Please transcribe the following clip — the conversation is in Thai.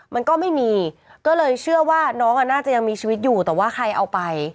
มันก็ไม่มีก็เลยเชื่อว่าน้องอ่ะน่าจะยังมีชีวิตอยู่แต่ว่าใครเอาไป